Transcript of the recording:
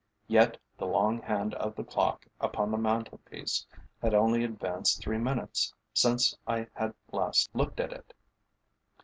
Yet the long hand of the clock upon the mantel piece had only advanced three minutes since I had last looked at it.